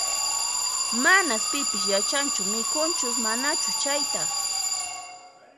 Manas pipis yachanchu mikhunchus manachus chayta